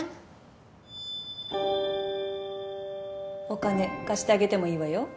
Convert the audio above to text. お金貸してあげてもいいわよ